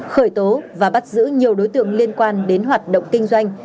khởi tố và bắt giữ nhiều đối tượng liên quan đến hoạt động kinh doanh